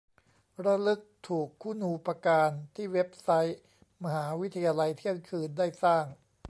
ระลึกถูกคุณูปการที่เว็บไซต์มหาวิทยาลัยเที่ยงคืนได้สร้าง